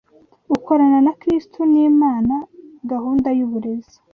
ukorana na Kristo n’ImanaGahunda y’uburezi